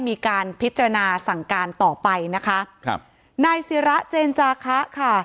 มีการพิจารณาสั่งการต่อไปนะคะครับนายศิระเจนจาคะค่ะ